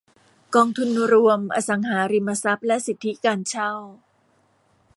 กองทุนรวมอสังหาริมทรัพย์และสิทธิการเช่า